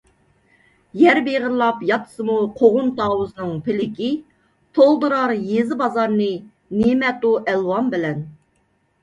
يەر بېغىرلاپ ياتسىمۇ قوغۇن - تاۋۇزنىڭ پىلىكى، تولدۇرار يېزا - بازارنى نىمەتۇ - ئەلۋان بىلەن.